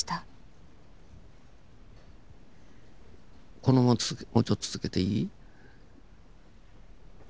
このままもうちょっと続けていい？